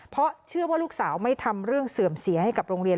เพราะเชื่อว่าลูกสาวไม่ทำเรื่องเสื่อมเสียให้กับโรงเรียน